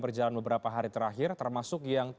berjalan beberapa hari terakhir termasuk yang